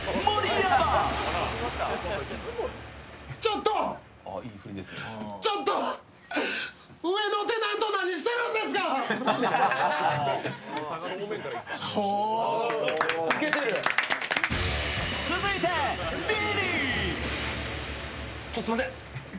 ちょっとすいません